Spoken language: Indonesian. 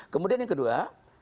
kemudian yang kedua